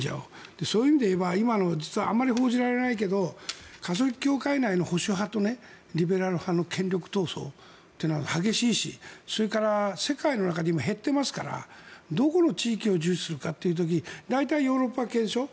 そういう意味で言えば今の実はあまり報じられないけどカトリック教会内の保守派とリベラル派の権力闘争というのは激しいし、それから世界の中で今減っていますからどこの地域を重視するかって時に大体、ヨーロッパ系でしょ。